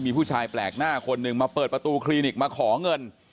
มีผู้ชายแปลกหน้าคนหนึ่งมาเปิดประตูคลินิกมาขอเงิน